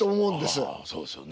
そうですよね。